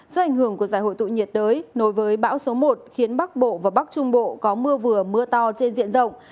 do ảnh hưởng của giải hội tụ nhiệt đới nối với bão số một khiến bắc bộ và bắc trung bộ có mưa vừa mưa to trên diện rộng